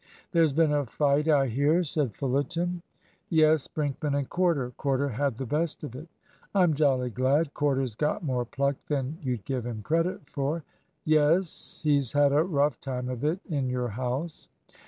"There's been a fight, I hear?" said Fullerton. "Yes. Brinkman and Corder. Corder had the best of it." "I'm jolly glad. Corder's got more pluck than you'd give him credit for." "Yes; he's had a rough time of it in your house."